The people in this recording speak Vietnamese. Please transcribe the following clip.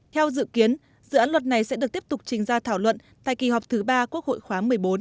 theo dự kiến dự án luật này sẽ được tiếp tục trình ra thảo luận tại kỳ họp thứ ba quốc hội khóa một mươi bốn